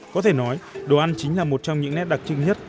có thể nói đồ ăn chính là một trong những nét đặc trưng nhất